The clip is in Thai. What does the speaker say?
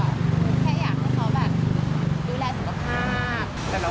แล้วน้องบอกเค้าไปแล้วไม่ใช่ไหมว่า